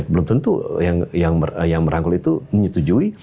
belum tentu yang merangkul itu menyetujui